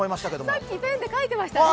さっきペンで書いていましたね。